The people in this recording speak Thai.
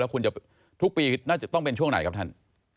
แล้วคุณทุกปีจะต้องเป็นช่วงไหนครับฟัน